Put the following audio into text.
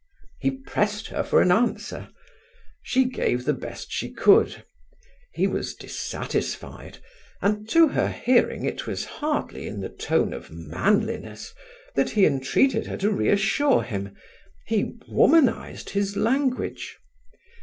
He pressed her for an answer. She gave the best she could. He was dissatisfied, and to her hearing it was hardly in the tone of manliness that he entreated her to reassure him; he womanized his language.